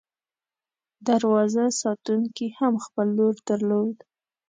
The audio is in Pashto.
دروازه ساتونکي هم خپل رول درلود.